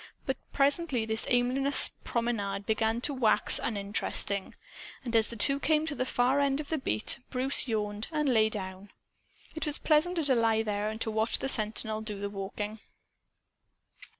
But presently this aimless promenade began to wax uninteresting. And, as the two came to the far end of the beat, Bruce yawned and lay down. It was pleasanter to lie there and to watch the sentinel do the walking.